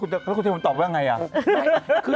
แล้วคุณเทพมันตอบว่าอย่างไร